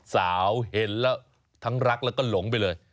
สาวเห็นแล้วทั้งรักแล้วก็หลงไปเลย